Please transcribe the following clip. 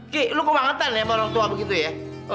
ki lo kebangetan ya sama orang tua begitu ya